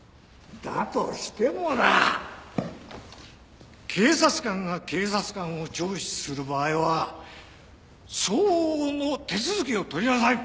だとしてもだ警察官が警察官を聴取する場合は相応の手続きを取りなさい！